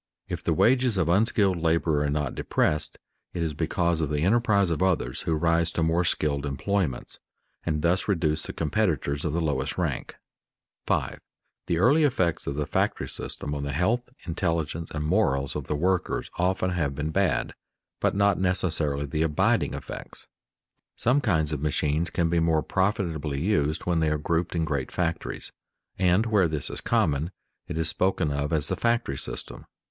If the wages of unskilled labor are not depressed, it is because of the enterprise of others who rise to more skilled employments and thus reduce the competitors of the lowest rank. [Sidenote: The growth of factories] 5. _The early effects of the factory system on the health, intelligence, and morals of the workers often have been bad; but not necessarily the abiding effects._ Some kinds of machines can be more profitably used when they are grouped in great factories, and, where this is common, it is spoken of as the factory system.